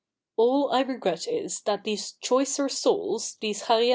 All I regret is, that these choicer souls, these x^pi'f'"^??